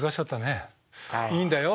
いいんだよ。